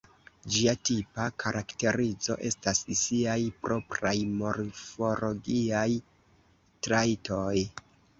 Ĝia tipa karakterizo estas siaj propraj morfologiaj trajtoj.